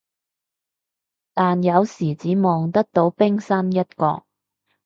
但有時只望得到冰山一角